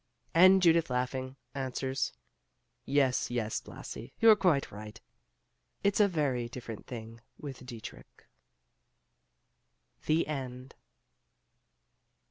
And Judith, laughing, answers, "Yes, yes, Blasi, you're quite right; it's a very different thing with Dietrich." THE END.